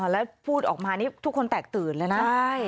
แล้วพูดออกมานี่ทุกคนแตกตื่นเลยนะ